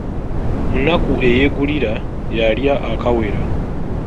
Munaku eyeegulira, yaalya akawera.